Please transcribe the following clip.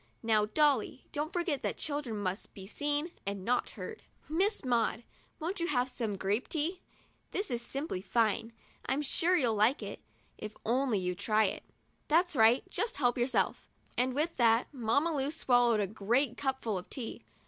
Now, Dolly, don't forget that children must be seen and not heard. Miss Maud, won't you have some grape tea ? This is simply fine. I'm sure you'll like it, if you'll only try it. That's right, just help yourself;" and with that, Mamma Lu swal lowed a great big cupful of tea.